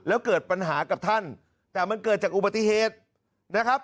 แล้วเกิดปัญหากับท่านแต่มันเกิดจากอุบัติเหตุนะครับ